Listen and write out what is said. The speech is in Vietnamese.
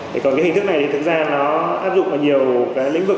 thế còn cái hình thức này thì thực ra nó áp dụng vào nhiều cái lĩnh vực